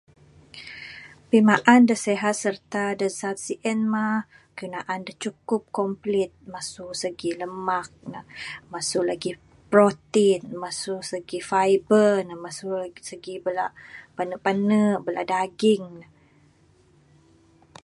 Pimaan dak sihat serta dak zat sien mah keyuh naan dak cukup complete mesu segi lemak ne mesu legi protein mesu segi fiber ne mesu segi bala pane pane bala daging ne.